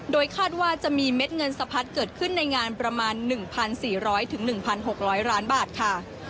โดยคาดว่าจะมีเม็ดเงินสะพัดเกิดขึ้นในงานประมาณ๑๔๐๐๑๖๐๐ล้านบาทค่ะ